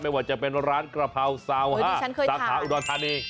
ว่าจะเป็นร้านกระเพราซาว๕สาขาอุดรธานี